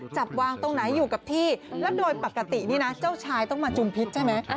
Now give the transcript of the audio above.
จับวางตรงไหนอยู่กับที่แล้วโดยปกตินี่นะเจ้าชายต้องมาจุมพิษใช่ไหม